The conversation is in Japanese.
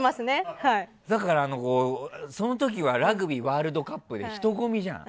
だから、その時はラグビーワールドカップで人混みじゃん。